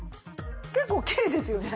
結構きれいですよね。